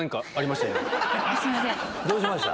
どうしました？